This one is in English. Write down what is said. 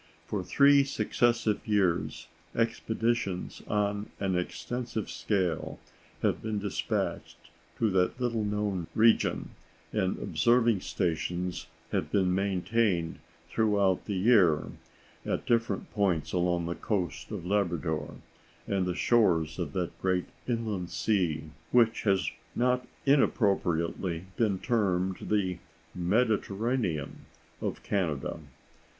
For three successive years expeditions on an extensive scale have been despatched to that little known region, and observing stations have been maintained throughout the year at different points along the coast of Labrador and the shores of that great inland sea which has not inappropriately been termed the "Mediterranean" of Canada.